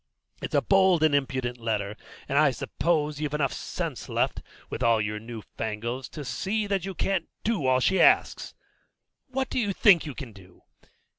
It's a bold and impudent letter, and I suppose you've enough sense left, with all your new fangles, to see that you can't do all she asks. What do you think you can do?